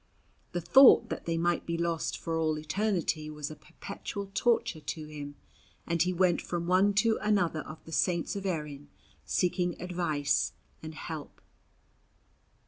The thought that they might be lost for all eternity was a perpetual torture to him, and he went from one to another of the Saints of Erin seeking advice and help.